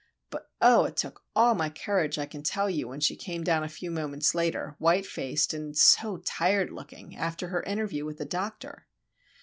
But, oh! it took all my courage, I can tell you, when she came down a few moments later, white faced, and so tired looking, after her interview with the doctor.